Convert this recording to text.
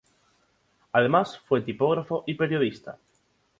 Además fue tipógrafo y periodista.